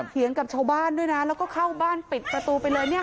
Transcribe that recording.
เถียงกับชาวบ้านด้วยนะแล้วก็เข้าบ้านปิดประตูไปเลยเนี่ย